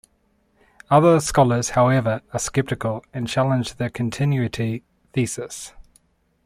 Other scholars, however, are skeptical and challenge the continuity thesis.